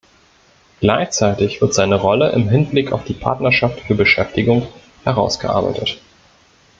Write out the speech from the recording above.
Gleichzeitig wird seine Rolle im Hinblick auf die Partnerschaft für Beschäftigung herausgearbeitet.